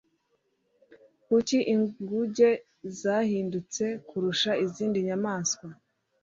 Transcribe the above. kuki inguge zahindutse kurusha izindi nyamaswa